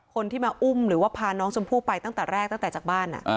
คนที่มาอุ้มหรือว่าพาน้องชมพู่ไปตั้งแต่แรกตั้งแต่จากบ้าน